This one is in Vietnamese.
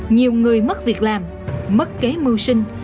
nhiều người mất việc làm mất kế mưu sinh